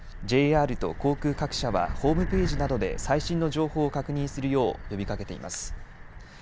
ＪＲと航空各社はホームページなどで最新の情報を確認するよう呼びかけています。